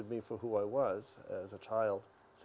dan apa kesulitan yang kamu hadapi